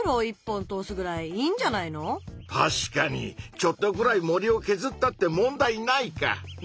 確かにちょっとぐらい森をけずったって問題ないか！ね？